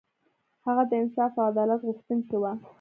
هغه د انصاف او عدالت غوښتونکی و.